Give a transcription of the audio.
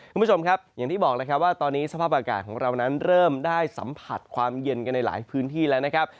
คุณผู้ชมครับอย่างที่บอกแล้วครับว่าตอนนี้สภาพอากาศของเรานั้นเริ่มได้สัมผัสความเย็นกันในหลายพื้นที่แล้วนะครับ